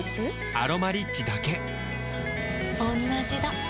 「アロマリッチ」だけおんなじだ